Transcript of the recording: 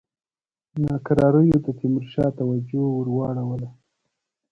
ناکراریو د تیمورشاه توجه ور واړوله.